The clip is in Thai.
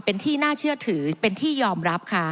เป็นที่น่าเชื่อถือเป็นที่ยอมรับค่ะ